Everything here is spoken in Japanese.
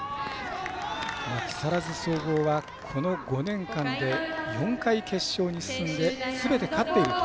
木更津総合は、この５年間で４回、決勝に進んですべて勝っていると。